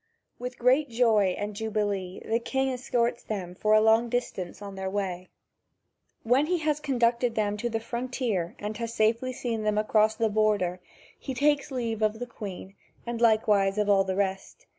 With great joy and jubilee the king escorts them for a long distance on their way. When he has conducted them to the frontier and has seen them safely across the border, he takes leave of the Queen, and likewise of all the rest.